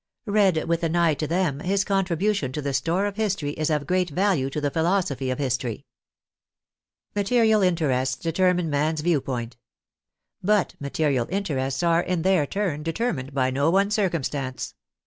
Read with an eye to them, his contribution to the store of history is of great value to the philosophy of history. Material interests determine man's view point. But material interests are, in their turn, determined by no one circumstance.